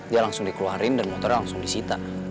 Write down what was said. dia langsung dikeluarin dan motornya langsung disita